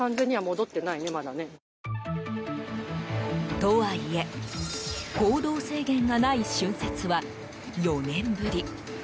とはいえ行動制限がない春節は４年ぶり。